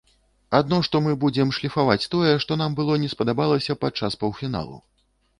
Адно што мы будзем шліфаваць тое, што нам было не спадабалася падчас паўфіналу.